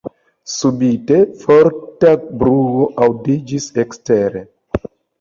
Subite forta bruo aŭdiĝis ekstere.